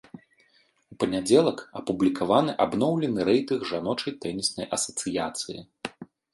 У панядзелак апублікаваны абноўлены рэйтынг жаночай тэніснай асацыяцыі.